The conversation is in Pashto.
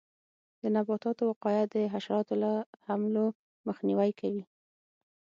د نباتاتو وقایه د حشراتو له حملو مخنیوی کوي.